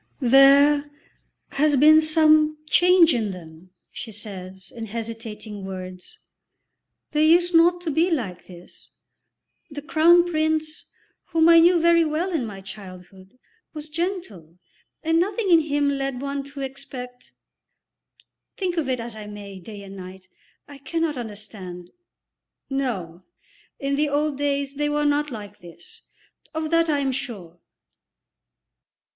"There has been some change in them," she says, in hesitating words. "They used not to be like this. The Crown Prince, whom I knew very well in my childhood, was gentle, and nothing in him led one to expect Think of it as I may, day and night, I cannot understand No, in the old days they were not like this, of that I am sure."